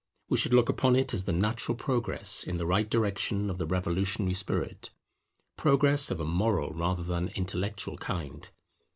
We should look upon it as the natural progress in the right direction of the revolutionary spirit; progress of a moral rather than intellectual kind.